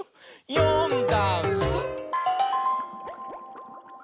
「よんだんす」